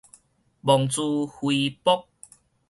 妄自菲薄